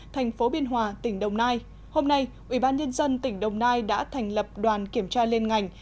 thành phố biên hòa tỉnh đồng nai hôm nay ủy ban nhân dân tỉnh đồng nai đã thành lập đoàn kiểm tra lên ngành